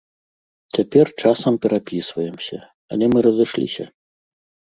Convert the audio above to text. Цяпер часам перапісваемся, але мы разышліся.